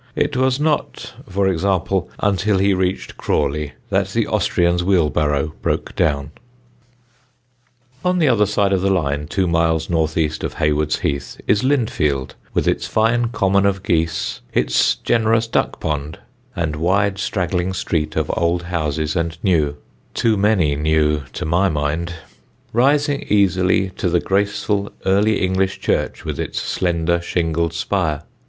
It was not, for example, until he reached Crawley that the Austrian's wheelbarrow broke down. [Sidenote: LINDFIELD] On the other side of the line, two miles north east of Hayward's Heath, is Lindfield, with its fine common of geese, its generous duck pond, and wide straggling street of old houses and new (too many new, to my mind), rising easily to the graceful Early English church with its slender shingled spire.